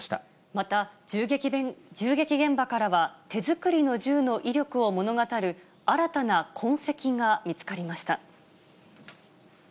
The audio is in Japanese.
また、銃撃現場からは手作りの銃の威力を物語る、新たな痕跡が見つかりました。